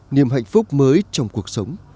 niềm hạnh phúc mới trong cuộc sống